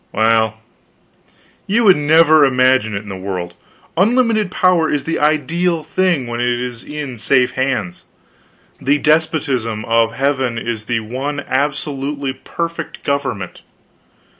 Well, you would never imagine it in the world. Unlimited power is the ideal thing when it is in safe hands. The despotism of heaven is the one absolutely perfect government.